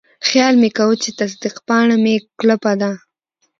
خیال مې کاوه چې تصدیق پاڼه مې کلپه ده.